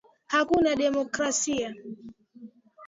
Hakuna demokrasia